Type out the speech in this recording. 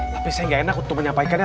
tapi saya nggak enak untuk menyampaikannya